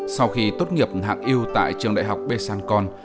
sau khi tốt nghiệp hạng yêu tại trường đại học paysancon